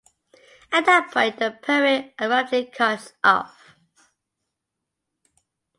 At that point the poem abruptly cuts off.